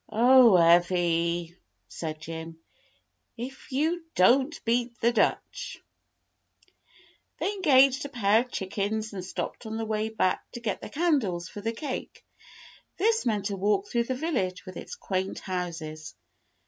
"Oh, Evvy," said Jim, "if you don't beat the Dutch!" They engaged a pair of chickens and stopped on the way back to get the candles for the cake; this meant a walk through the village with its quaint houses.